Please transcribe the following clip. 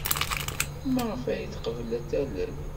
Maɣef ay teqbel ad talel?